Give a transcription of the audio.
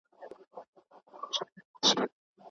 پښتون کولای شي چي په هر هنر کي ځان ثابت کړي.